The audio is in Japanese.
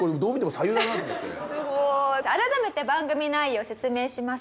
すごい。改めて番組内容を説明します。